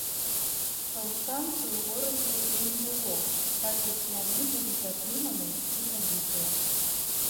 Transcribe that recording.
Паўстанцаў у горадзе ўжо не было, так як яны былі затрыманыя ці забітыя.